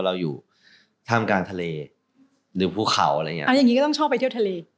อ่ะอย่างนี้ก็ต้องชอบไปเที่ยวทะเล